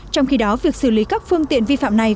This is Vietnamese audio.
trong khi đó việc xử lý các phương tiện vi phạm này